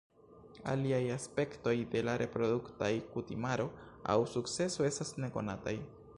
Aliaj aspektoj de la reproduktaj kutimaro aŭ sukceso estas nekonataj.